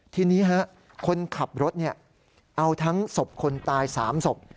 ทีนี้คนขับรถเอาทั้งศพคนตาย๓ศพ